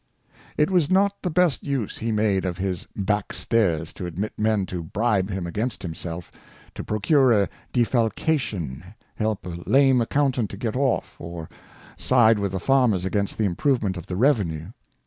It was not the best use he made of his Back stairs to admit Men to bribe him against himself, to procure a Defalcation, help a lame Accountant to get off, or side with the Farmers against the Improvement of the Revenue.